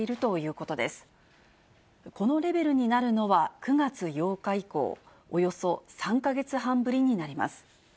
このレベルになるのは９月８日以降、およそ３か月半ぶりになります。